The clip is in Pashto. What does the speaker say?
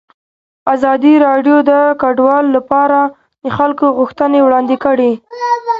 ازادي راډیو د کډوال لپاره د خلکو غوښتنې وړاندې کړي.